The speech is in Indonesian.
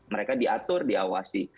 mereka diatur diawasi